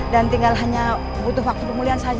tinggal hanya butuh waktu pemulihan saja